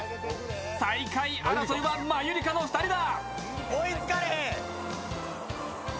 最下位争いはマユリカの２人だ。